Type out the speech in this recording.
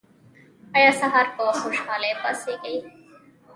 ایا سهار په خوشحالۍ پاڅیږئ؟